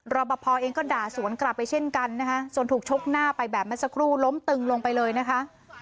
รอปภเองก็ด่าสวนกลับไปเช่นกันนะคะจนถูกชกหน้าไปแบบเมื่อสักครู่ล้มตึงลงไปเลยนะคะ